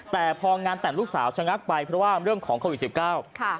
แต่พองานแต่งลูกสาวชะงักไปเพราะว่าเริ่มของเขาอีกสิบเก้า